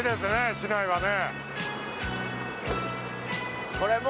市内はね。